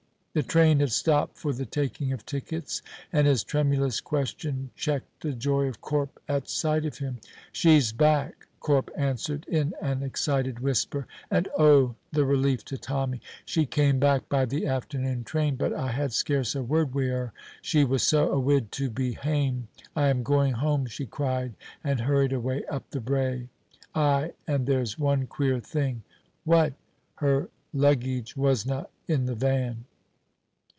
The train had stopped for the taking of tickets, and his tremulous question checked the joy of Corp at sight of him. "She's back," Corp answered in an excited whisper; and oh, the relief to Tommy! "She came back by the afternoon train; but I had scarce a word wi' her, she was so awid to be hame. 'I am going home,' she cried, and hurried away up the brae. Ay, and there's one queer thing." "What?" "Her luggage wasna in the van."